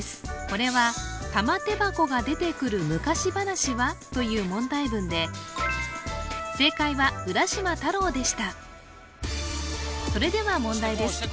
これは「玉手箱」が出てくる昔話は？という問題文で正解は浦島太郎でしたそれでは問題です